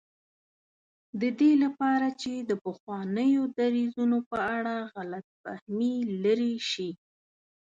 د دې لپاره چې د پخوانیو دریځونو په اړه غلط فهمي لرې شي.